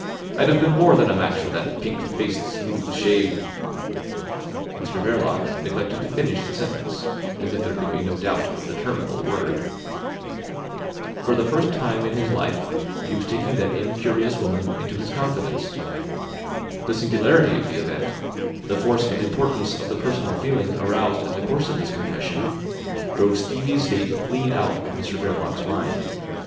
I'd have been more than a match for that pink faced, smooth shaved—" Mr Verloc, neglected to finish the sentence, as if there could be no doubt of the terminal word. For the first time in his life he was taking that incurious woman into his confidence. The singularity of the event, the force and importance of the personal feelings aroused in the course of this confession, drove Stevie's fate clean out of Mr Verloc's mind.